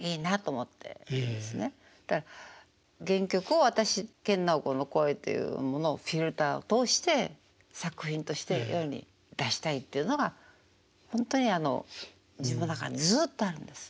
原曲を私研ナオコの声というものをフィルターを通して作品として世に出したいというのがほんとに自分の中にずっとあるんです。